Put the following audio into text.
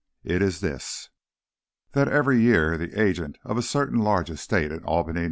It is this: That every year the agent of a certain large estate in Albany, N.